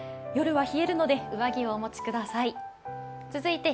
夜は冷えるので上着をお持ちください。